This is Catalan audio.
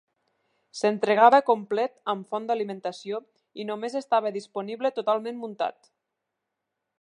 S'entregava complet amb font d'alimentació i només estava disponible totalment muntat.